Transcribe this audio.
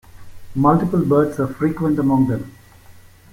Multiple births are frequent among them.